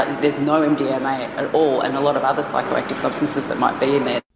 kadang kadang tidak ada mdma dan banyak obat obatan psikoaktif lain yang mungkin ada di sana